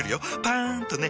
パン！とね。